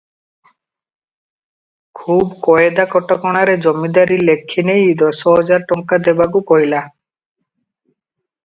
ଖୁବ୍ କାଏଦା କଟକଣାରେ ଜମିଦରୀ ଲେଖି ନେଇ ଦଶ ହଜାର ଟଙ୍କା ଦେବାକୁ କହିଲା ।